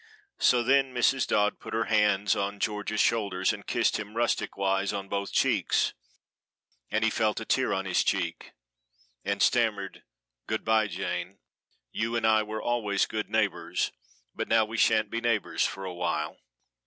So then Mrs. Dodd put her hands on George's shoulders and kissed him rustic wise on both cheeks and he felt a tear on his cheek, and stammered "Good by, Jane you and I were always good neighbors, but now we shan't be neighbors for a while.